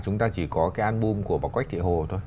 chúng ta chỉ có cái album của bà quách thị hồ thôi